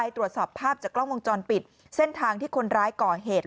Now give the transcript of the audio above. ตรวจสอบภาพจากกล้องวงจรปิดเส้นทางที่คนร้ายก่อเหตุ